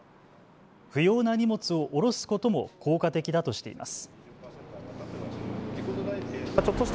不要な荷物を降ろすことも効果的だとしています。